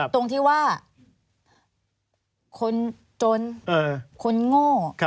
ตรงที่ว่าคนจนคนโง่